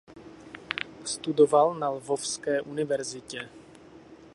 Studoval na Lvovské univerzitě.